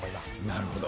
なるほど。